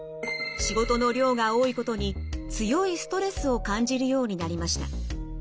仕事の量が多いことに強いストレスを感じるようになりました。